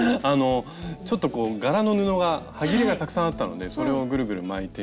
ちょっと柄の布がはぎれがたくさんあったのでそれをぐるぐる巻いてみたんですが。